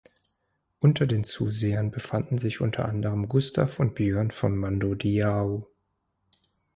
Unter den Zusehern befanden sich unter anderem Gustav und Björn von Mando Diao.